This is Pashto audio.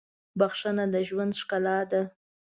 • بښنه د ژوند ښکلا ده.